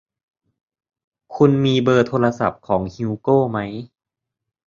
คุณมีเบอร์โทรศัพท์ของฮิวโกไหม